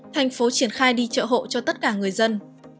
tp hcm triển khai đi chợ hộ cho tất cả người dân